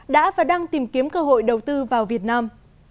đã và đang tìm kiếm cơ hội đầu tư vào việt nam